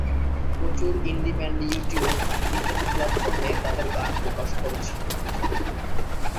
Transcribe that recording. প্রচুর indie band YouTube ইত্যাদি প্ল্যাটফর্মে তাদের গান প্রকাশ করছে।